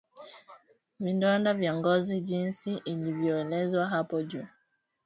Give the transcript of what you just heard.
Vidonda vya ngozi jinsi ilivyoelezwa hapo juu